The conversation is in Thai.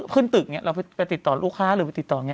ขึ้นตึกอย่างนี้เราไปติดต่อลูกค้าหรือไปติดต่ออย่างนี้